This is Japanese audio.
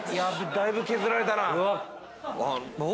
だいぶ削られたな。